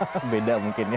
hahaha beda mungkin ya